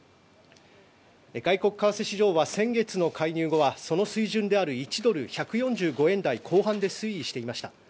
外国為替市場は先月の介入後はその水準である１ドル＝１４５円台後半で推移していました。